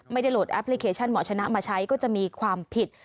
ไม่ได้โหลดแอปพลิเคชันหมอชนะมาใช้ก็จะมีความผิด